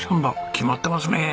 決まってますね。